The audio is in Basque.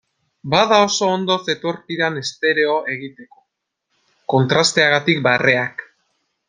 Bada oso ondo zetorkidan estereo egiteko, kontrasteagatik barreak.